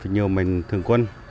nhiều mình thường quân